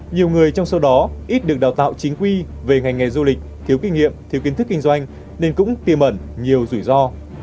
nhiều người trong số đó ít được đào tạo chính quy về ngành nghề du lịch thiếu kinh nghiệm thiếu kiến thức kinh doanh nên cũng tiềm ẩn nhiều rủi ro